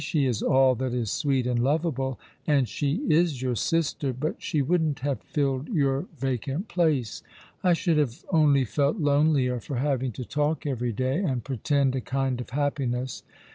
She is all that is sweet and lovable, and she is your sister ; but she wouldn't have filled your vacant place. I should have only felt lonelier for having to talk every day, and pretend a kind of happiness.